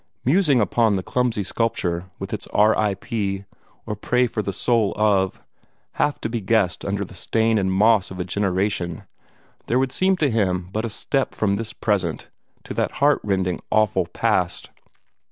Musing upon the clumsy sculpture, with its "R.I.P.," or "Pray for the Soul of," half to be guessed under the stain and moss of a generation, there would seem to him but a step from this present to that heart rending, awful past.